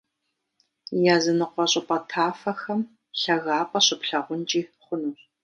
Языныкъуэ щӀыпӀэ тафэхэм лъагапӀэ щыплъагъункӀи хъунущ.